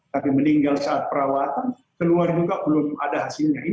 tapi meninggal saat perawatan keluar juga belum ada hasilnya